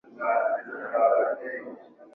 Waoman ndio walifanikiwa kuimiliki kwanza kisiwa hicho